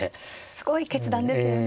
すごい決断ですよね。